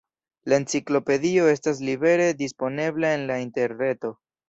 La enciklopedio estas libere disponebla en la interreto.